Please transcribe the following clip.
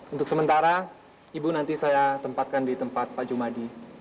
untuk sementara ibu nanti saya tempatkan di tempat pak jumadi